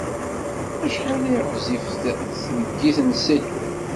Acḥal ay ɣezzifet tleggit n Seto?